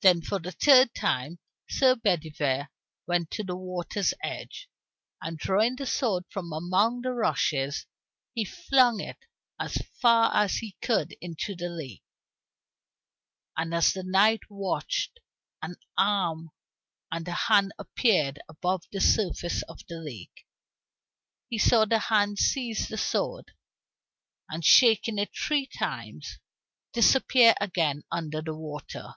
Then for the third time Sir Bedivere went to the water's edge, and drawing the sword from among the rushes, he flung it as far as he could into the lake. And as the knight watched, an arm and a hand appeared above the surface of the lake. He saw the hand seize the sword, and shaking it three times, disappear again under the water.